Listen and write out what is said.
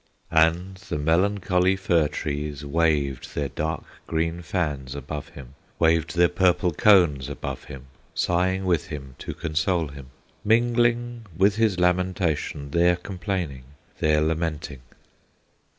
And the melancholy fir trees Waved their dark green fans above him, Waved their purple cones above him, Sighing with him to console him, Mingling with his lamentation Their complaining, their lamenting.